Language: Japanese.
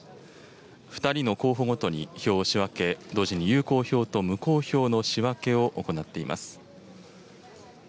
２人の候補ごとに票を仕分け、同時に有効票と無効票の仕分けを行っています。